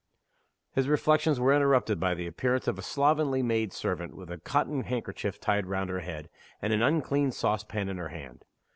His reflections were interrupted by the appearance of a slovenly maid servant, with a cotton handkerchief tied round her head, and an uncleaned sauce pan in her hand.